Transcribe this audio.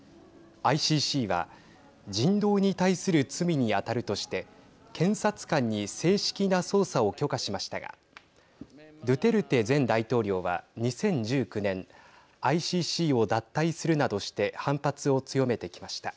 ＩＣＣは、人道に対する罪に当たるとして検察官に正式な捜査を許可しましたがドゥテルテ前大統領は２０１９年ＩＣＣを脱退するなどして反発を強めてきました。